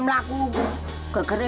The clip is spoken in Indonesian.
aku gak ngerti